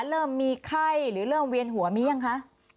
เริ่มมีไข้หรือเริ่มเวียนหัวมียังคะ